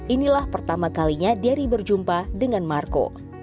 inilah pertama kalinya dery berjumpa dengan marco